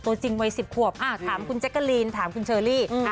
ถามคุณเจ็กเกอรีนถามคุณเชอรี่